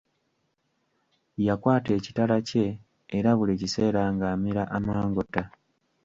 Yakwata ekitala kye era buli kiseera ng'amira amangota.